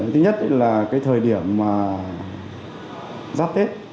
thứ nhất là thời điểm giáp tết